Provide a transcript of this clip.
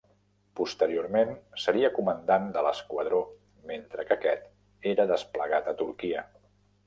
Posteriorment seria comandant de l'esquadró mentre que aquest era desplegat a Turquia.